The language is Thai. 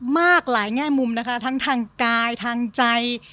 มากหลายแง่มุมนะคะทั้งทางกายทางใจ